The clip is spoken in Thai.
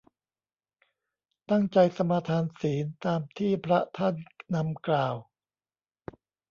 ตั้งใจสมาทานศีล ตามที่พระท่านนำกล่าว